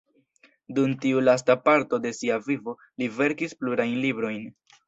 Dum tiu lasta parto de sia vivo li verkis plurajn librojn.